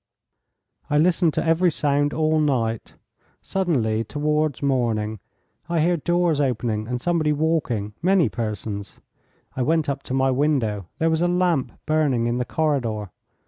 I listened to every sound all night. Suddenly, towards morning, I hear doors opening and somebody walking many persons. I went up to my window. There was a lamp burning in the corridor.